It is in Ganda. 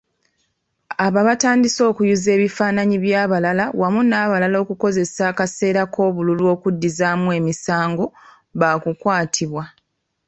Abo abatandise okuyuza ebifananyi bya balala wamu nabaagala okukozesa akaseera k'obululu okuddizaamu emisango, bakukwatibwa.